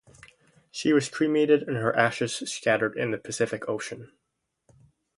She was cremated, and her ashes scattered in the Pacific Ocean.